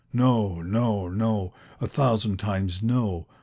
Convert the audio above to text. No, no, no, a thousand times no!